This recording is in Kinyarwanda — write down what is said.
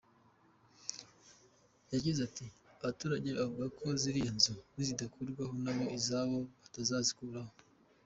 Yagize ati “ Abaturage bavugaga ko ziriya nzu nizidakurwaho na bo izabo batazikuraho.